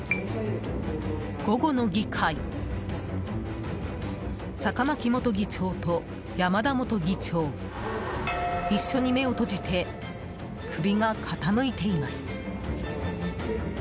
午後の議会坂巻元議長と山田元議長一緒に目を閉じて首が傾いています。